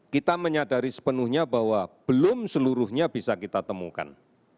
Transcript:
kita menyadari sepenuhnya bahwa belum seluruhnya bisa kita temukan